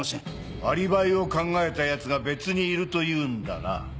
アリバイを考えたヤツが別にいると言うんだな？